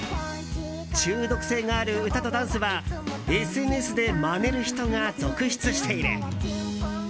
中毒性がある歌とダンスはＳＮＳでまねる人が続出している。